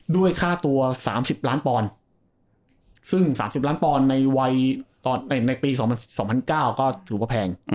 ด้วยค่าตัว๓๐ล้านปอนด์ซึ่ง๓๐ล้านปอนด์ในวัยในปี๒๐๐๙ก็ถือว่าแพง